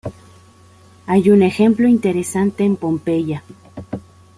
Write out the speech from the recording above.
Hay un ejemplo interesante en Pompeya.